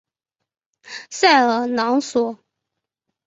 塞尔朗索。